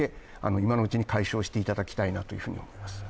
今のうちの解消していただきたいなと思います。